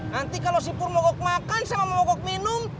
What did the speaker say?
nanti kalau si pur mogok makan sama mogok minum